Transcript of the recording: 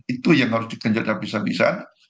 itu yang harus dikenjakan pisah pisahan